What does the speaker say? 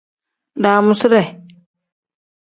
Daamuside.